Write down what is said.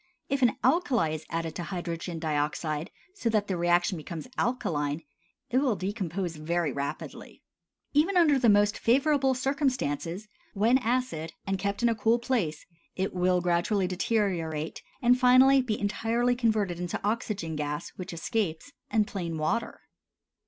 If an alkali is added to hydrogen dioxide so that the reaction becomes alkaline, it will decompose very rapidly. Even under the most favorable circumstances (when acid, and kept in a cool place) it will gradually deteriorate, and finally be entirely converted into oxygen gas, which escapes, and plain water.